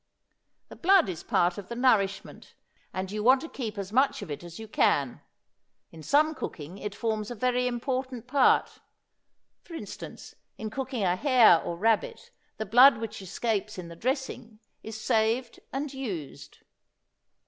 The blood is a part of the nourishment, and you want to keep as much of it as you can; in some cooking it forms a very important part; for instance, in cooking a hare or rabbit, the blood which escapes in the dressing is saved and used.